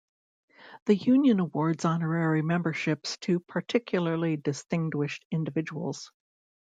The Union awards honorary memberships to particularly distinguished individuals.